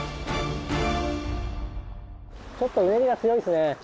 ちょっとうねりが強いですね。